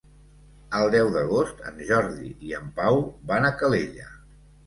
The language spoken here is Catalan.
El deu d'agost en Jordi i en Pau van a Calella.